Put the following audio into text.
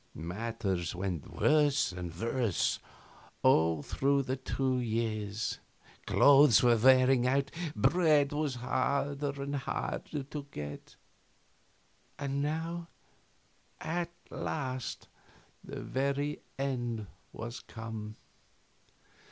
Matters went worse and worse, all through the two years. Clothes were wearing out, bread was harder and harder to get. And now, at last, the very end was come.